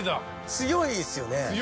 強いですよね。